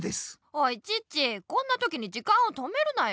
おいチッチこんなときに時間を止めるなよ。